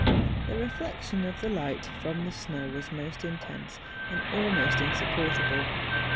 The reflexion of the light from the snow was most intense and almost insupportable.